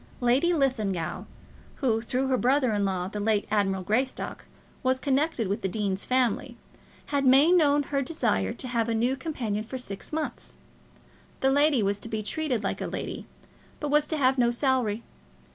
Lady Linlithgow, who, through her brother in law, the late Admiral Greystock, was connected with the dean's family, had made known her desire to have a new companion for six months. The lady was to be treated like a lady, but was to have no salary.